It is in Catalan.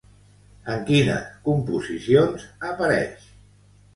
En quines composicions apareix?